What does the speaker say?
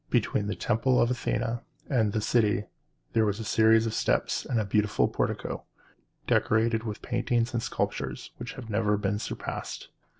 Between the temple of Athene and the city there was a series of steps and beautiful porticoes, decorated with paintings and sculptures, which have never been surpassed.